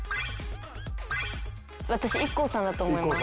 私ＩＫＫＯさんだと思います。